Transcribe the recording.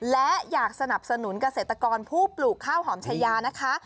และอยากสนับสนุนเกษตรกรผู้ปลูกข้าวหอมชายานะคะ